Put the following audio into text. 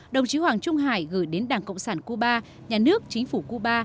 đồng chí hoàng trung hải gửi đến đảng cộng sản cuba nhà nước chính phủ cuba